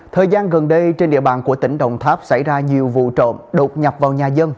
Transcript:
thời gian gần đây trên địa bàn của tỉnh đồng tháp xảy ra nhiều vụ trộm đột nhập vào nhà dân